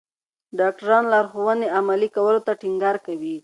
ډاکټران لارښوونې عملي کولو ته ټینګار کوي.